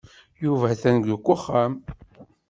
Yuba atan deg uxxam.